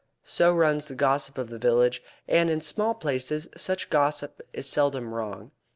So runs the gossip of the village, and in small places such gossip is seldom wrong.